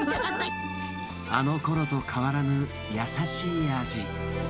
あのころと変わらぬ優しい味。